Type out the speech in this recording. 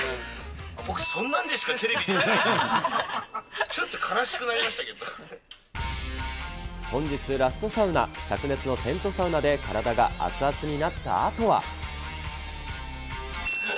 僕、そんなでしかテレビ出ないのかと、ちょっと悲しくなりました本日ラストサウナ、しゃく熱のテントサウナで体が熱々になったあとは。